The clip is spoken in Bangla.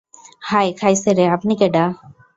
হাই খাইছেরে, আপনি কেডা?